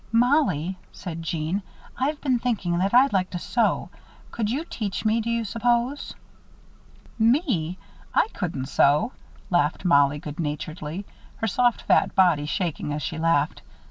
"Mollie," said Jeanne, "I've been thinking that I'd like to sew. Could you teach me, do you s'pose?" "Me? I couldn't sew," laughed Mollie, good naturedly, her soft fat body shaking as she laughed.